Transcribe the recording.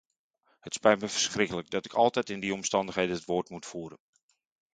Het spijt me verschrikkelijk dat ik altijd in die omstandigheden het woord moet voeren.